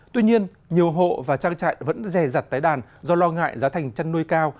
tuy nhiên nhiều hộ và trang trại vẫn rè rặt tái đàn do lo ngại giá thành chăn nuôi cao